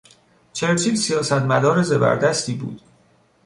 چرچیل سیاستمدار زبردستی بود.